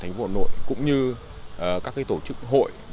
thành phố hà nội cũng như các tổ chức hội